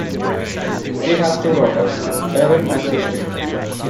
He has two daughters, Erin and Christine.